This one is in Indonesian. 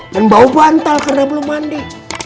dan bau bantal karena belum mandi